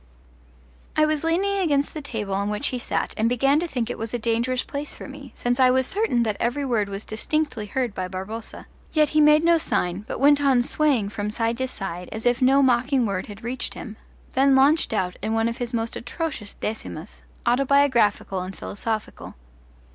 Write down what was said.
I was leaning against the table on which he sat and began to think it was a dangerous place for me, since I was certain that every word was distinctly heard by Barboza; yet he made no sign, but went on swaying from side to side as if no mocking word had reached him, then launched out in one of his most atrocious decimas, autobiographical and philosophical.